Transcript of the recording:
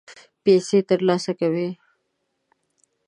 پیسې ترلاسه کوي.